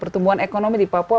pertumbuhan ekonomi di papua